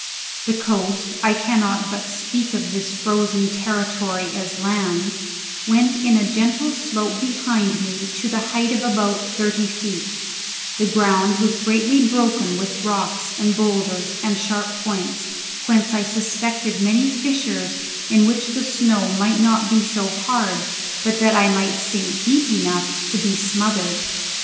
The coast I cannot but speak of this frozen territory as land went in a gentle slope behind me to the height of about thirty feet; the ground was greatly broken with rocks and boulders and sharp points, whence I suspected many fissures in which the snow might not be so hard but that I might sink deep enough to be smothered.